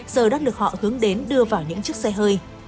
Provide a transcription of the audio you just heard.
giờ đã được họ hướng đến đưa vào những chiếc xe hơi